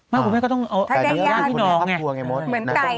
ไม่คุณแม่ก็ต้องเอาอยากให้พี่น้องไง